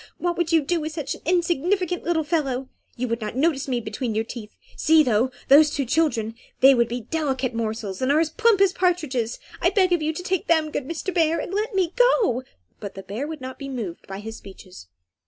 What would you do with such an insignificant little fellow? You would not notice me between your teeth. See, though, those two children, they would be delicate morsels, and are as plump as partridges; I beg of you to take them, good Mr. Bear, and let me go." But the bear would not be moved by his speeches.